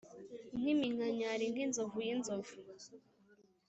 nkiminkanyari nk'inzovu yinzovu